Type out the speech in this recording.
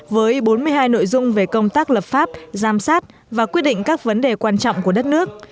với bốn mươi hai nội dung về công tác lập pháp giám sát và quyết định các vấn đề quan trọng của đất nước